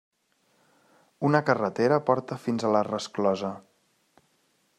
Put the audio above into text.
Una carretera porta fins a la resclosa.